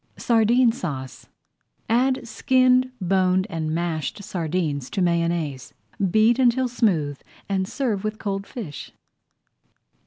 SARDINE SAUCE Add skinned, boned, and mashed sardines to Mayonnaise. Beat until smooth and serve with cold fish.